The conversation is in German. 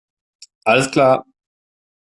Alles klar!